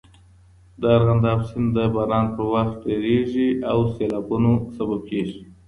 د ارغنداب سیند د باران پر وخت ډېریږي او د سیلابونو سبب کېږي.